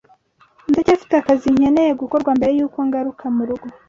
Ndacyafite akazi nkeneye gukorwa mbere yuko ngaruka murugo.